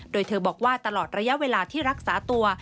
โดยเธอบอกว่าตลอดระยะเวลาที่รักษาตัว